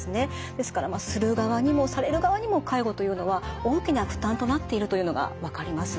ですからする側にもされる側にも介護というのは大きな負担となっているというのが分かります。